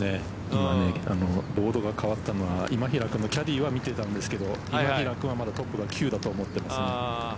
今、ボードが変わったのは今平君のキャディーは見てたんですけど今平君はまだトップが９だと思ってますね。